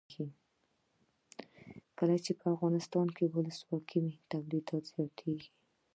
کله چې افغانستان کې ولسواکي وي تولیدات زیاتیږي.